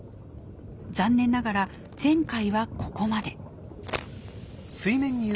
残念ながら前回はここまで。